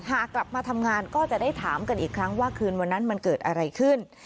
หากกลับมาทำงานก็จะได้ถามกันอีกครั้งว่าคืนวันนั้นมันเกิดอะไรขึ้น